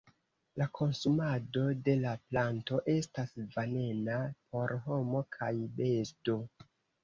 La konsumado de la planto estas venena por homo kaj besto.